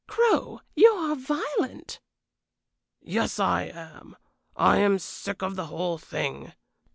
"Crow, you are violent." "Yes, I am. I am sick of the whole thing.